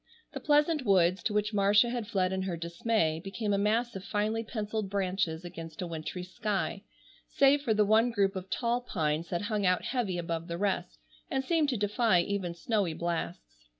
The pleasant woods, to which Marcia had fled in her dismay, became a mass of finely penciled branches against a wintry sky, save for the one group of tall pines that hung out heavy above the rest, and seemed to defy even snowy blasts.